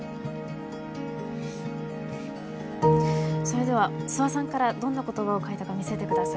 それでは諏訪さんからどんな言葉を書いたか見せてください。